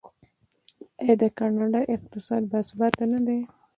آیا د کاناډا اقتصاد باثباته نه دی؟